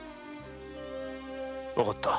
わかった。